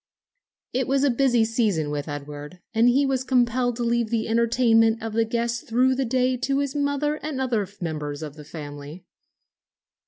It was a busy season with Edward, and he was compelled to leave the entertainment of the guests through the day to his mother and other members of the family.